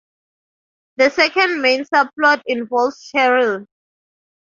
The second main subplot involves Cheryl.